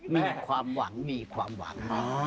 มีความหวังมีความหวัง